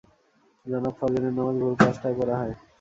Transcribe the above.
জনাব, ফজরের নামাজ ভোর পাঁচটায় পড়া হয়।